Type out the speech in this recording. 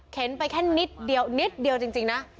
ไปแค่นิดเดียวนิดเดียวจริงนะ